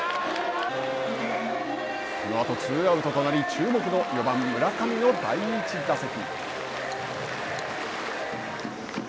このあとツーアウトとなり注目の４番村上の第１打席。